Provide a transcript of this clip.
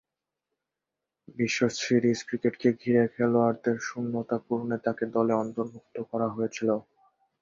বিশ্ব সিরিজ ক্রিকেটকে ঘিরে খেলোয়াড়দের শূন্যতা পূরণে তাকে দলে অন্তর্ভুক্ত করা হয়েছিল।